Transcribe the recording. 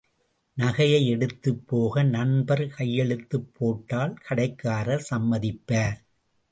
நகையை எடுத்துப் போக நண்பர் கையெழுத்துப் போட்டால் கடைக்காரர் சம்மதிப்பார்.